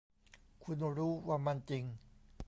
คุณรู้ ว่ามันจริง !